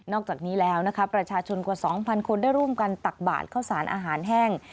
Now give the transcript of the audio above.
อกจากนี้แล้วนะคะประชาชนกว่า๒๐๐คนได้ร่วมกันตักบาดเข้าสารอาหารแห้ง